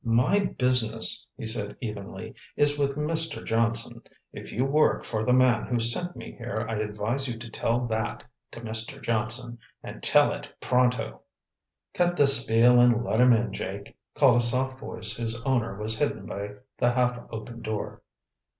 "My business," he said evenly, "is with Mr. Johnson. If you work for the man who sent me here I advise you to tell that to Mr. Johnson—and tell it pronto." "Cut the spiel and let him in, Jake!" called a soft voice whose owner was hidden by the half open door.